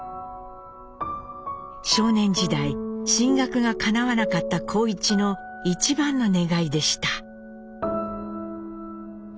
少年時代進学がかなわなかった幸一のいちばんの願いでした。